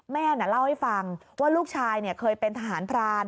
แม่น่ะเล่าให้ฟังว่าลูกชายเนี่ยเคยเป็นทหารพลาด